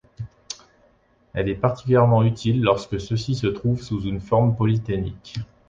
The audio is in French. Elle est particulièrement utile lorsque ceux-ci se trouvent sous une forme polyténique.